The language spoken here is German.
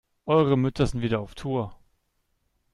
Eure Mütter sind wieder auf Tour.